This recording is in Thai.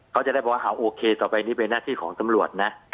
เขาจะได้บอกว่าโอเคต่อไปนี้เป็นหน้าที่ของตำรวจนะ